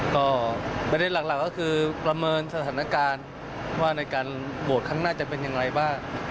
ก็ประเด็นหลักก็คือประเมินสถานการณ์ว่าในการโหวตครั้งหน้าจะเป็นอย่างไรบ้าง